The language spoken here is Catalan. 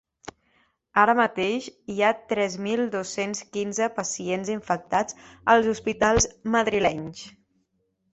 Ara mateix, hi ha tres mil dos-cents quinze pacients infectats als hospitals madrilenys.